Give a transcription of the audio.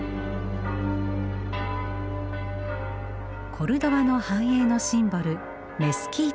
コルドバの繁栄のシンボルメスキータです。